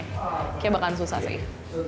kayaknya bakalan susah sih